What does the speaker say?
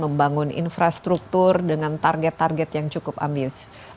membangun infrastruktur dengan target target yang cukup ambius